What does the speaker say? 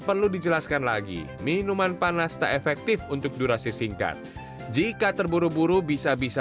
perlu dijelaskan lagi minuman panas tak efektif untuk durasi singkat jika terburu buru bisa bisa